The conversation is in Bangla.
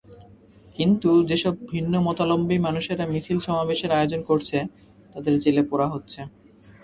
কিন্তু যেসব ভিন্নমতাবলম্বী মানুষেরা মিছিল-সমাবেশের আয়োজন করছে, তাদের জেলে পোরা হচ্ছে।